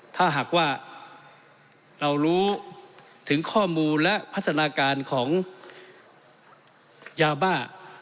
ถ้าหากว่าเรารู้ถึงข้อมูลและพัฒนาการของยาบ้า